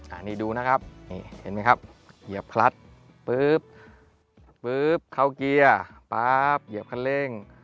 อันนี้ดูนะครับเห็นไหมครับเหยียบคลัดเข้าเกียร์เหยียบคันเร่ง